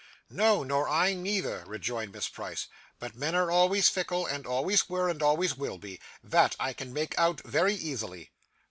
'No, nor I neither,' rejoined Miss Price; 'but men are always fickle, and always were, and always will be; that I can make out, very easily.